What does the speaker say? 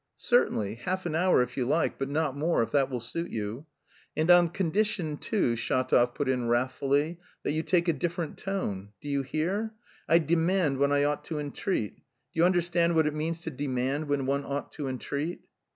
"Certainly, half an hour if you like, but not more, if that will suit you." "And on condition, too," Shatov put in wrathfully, "that you take a different tone. Do you hear? I demand when I ought to entreat. Do you understand what it means to demand when one ought to entreat?"